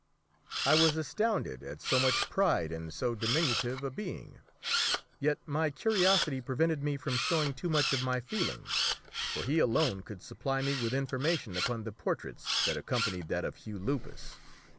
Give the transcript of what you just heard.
I was astounded at so much pride in so diminutive a being, yet my curiosity prevented me from showing too much of my feelings, for he alone could supply me with information upon the portraits that accompanied that of Hugh Lupus.